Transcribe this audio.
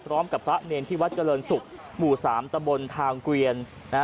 พร้อมกับพระเนรนที่วัดเกลินศุกร์หมู่สามตะบลทางเกวียน